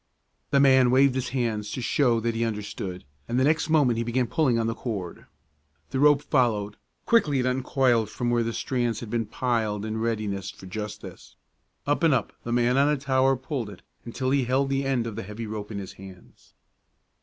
The man waved his hands to show that he understood, and the next moment he began pulling on the cord. The rope followed. Quickly it uncoiled from where the strands had been piled in readiness for just this. Up and up the man on the tower pulled it until he held the end of the heavy rope in his hands.